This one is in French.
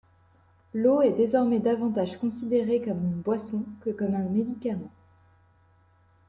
L'eau est désormais davantage considérée comme une boisson que comme un médicament.